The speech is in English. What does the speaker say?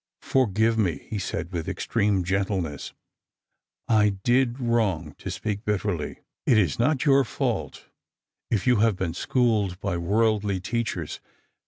" Forgive me," he said with extreme gentleness. " I did •wrong to speak bitterly. It is not your fault if you have been schooled by worldly teachers.